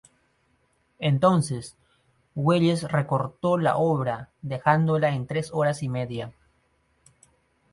Entonces, Welles recortó la obra, dejándola en tres horas y media.